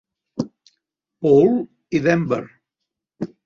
Paul i Denver.